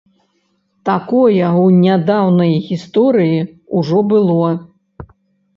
Такое ў нядаўняй гісторыі ўжо было.